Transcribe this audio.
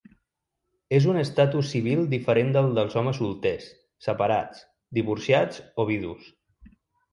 És un estatus civil diferent del dels homes solters, separats, divorciats o vidus.